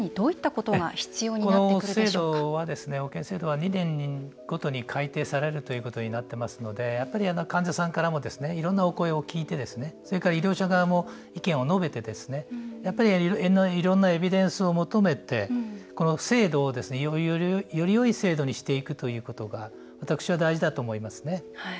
この保険制度は２年ごとに改定されることになっていますのでやっぱり患者さんからもいろんなお声を聞いてそれから医療者側も意見を述べてやっぱりいろんなエビデンスを求めて、この制度をよりよい制度にしていくということが私は大事だと思いますね。